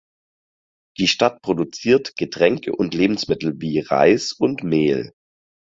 Die Stadt produziert Getränke und Lebensmittel wie Reis und Mehl.